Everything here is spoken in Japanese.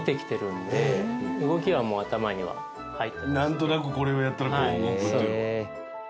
なんとなくこれをやったらこう動くというのは。